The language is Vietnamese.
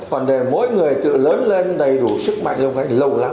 còn để mỗi người tự lớn lên đầy đủ sức mạnh luôn phải lâu lắm